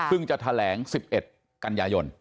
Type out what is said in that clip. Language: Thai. ซึ่งจะแถลง๑๑กันยายน